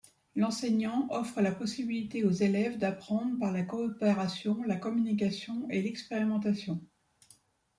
L'enseignant offre la possibilité aux élèves d'apprendre par la coopération, la communication et l'expérimentation.